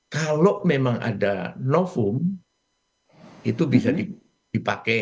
kalau memang ada novum itu bisa dipakai